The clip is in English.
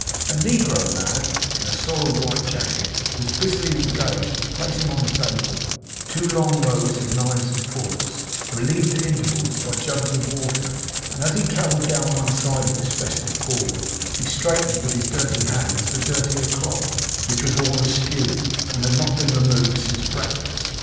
A negro lad in a soiled white jacket was busily engaged in placing on the table two long rows of knives and forks, relieved at intervals by jugs of water; and as he travelled down one side of this festive board, he straightened with his dirty hands the dirtier cloth, which was all askew, and had not been removed since breakfast.